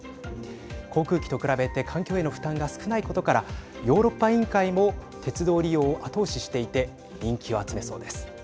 航空機と比べて環境への負担が少ないことからヨーロッパ委員会も鉄道利用を後押ししていて人気を集めそうです。